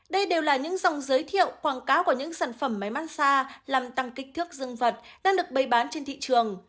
đây đều là những dòng giới thiệu quảng cáo của những sản phẩm máy massag làm tăng kích thước dương vật đang được bày bán trên thị trường